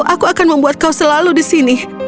aku akan membuat kau selalu disini